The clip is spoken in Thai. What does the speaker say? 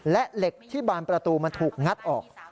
และเหล็กที่บานประตูมันถูกงัดออก